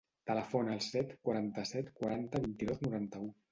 Telefona al set, quaranta-set, quaranta, vint-i-dos, noranta-u.